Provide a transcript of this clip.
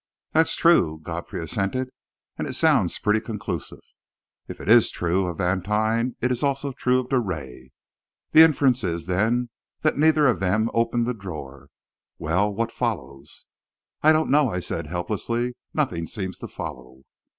"That's true," Godfrey assented, "and it sounds pretty conclusive. If it is true of Vantine, it is also true of Drouet. The inference is, then, that neither of them opened the drawer. Well, what follows?" "I don't know," I said helplessly. "Nothing seems to follow."